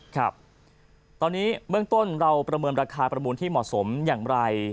ครับตอนนี้เบื้องต้นเราประเมินราคาประมูลที่เหมาะสมอย่างไร